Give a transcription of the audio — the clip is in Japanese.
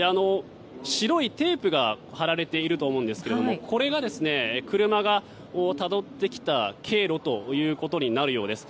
白いテープが貼られていると思うんですがこれが車がたどってきた経路ということになるようです。